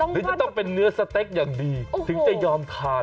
หรือจะต้องเป็นเนื้อสเต็กอย่างดีถึงจะยอมทาน